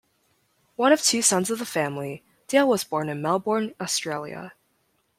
One of two sons of the family, Dale was born in Melbourne Australia.